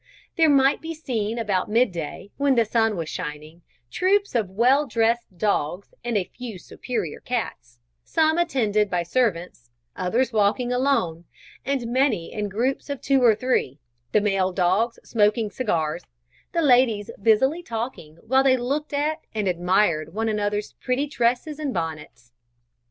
There might be seen about mid day, when the sun was shining, troops of well dressed dogs and a few superior cats, some attended by servants, others walking alone, and many in groups of two or three, the male dogs smoking cigars, the ladies busily talking, while they looked at and admired one another's pretty dresses and bonnets.